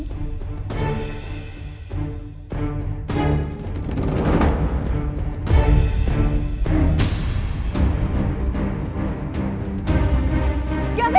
kamu bisa berdua